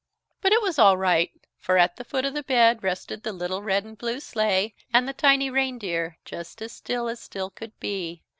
But it was all right, for at the foot of the bed rested the little red and blue sleigh and the tiny reindeer, just as still as still could be.